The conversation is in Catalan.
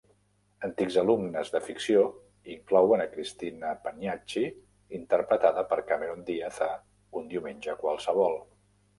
Antics alumnes de ficció inclouen a Cristina Pagniacci, interpretada per Cameron Diaz a "Un diumenge qualsevol".